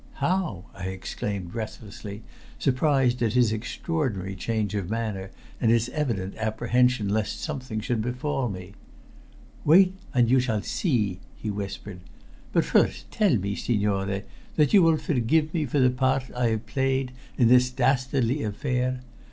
"How?" I exclaimed breathlessly, surprised at his extraordinary change of manner and his evident apprehension lest something should befall me. "Wait, and you shall see," he whispered. "But first tell me, signore, that you will forgive me for the part I have played in this dastardly affair.